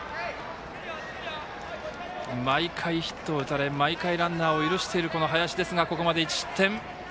毎回ヒットを打たれ毎回ランナーを許している林ですがここまで１失点。